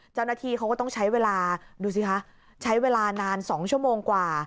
เจ้าหน้าที่เขาก็ต้องใช้เวลาดูสิคะใช้เวลานาน๒ชั่วโมงกว่า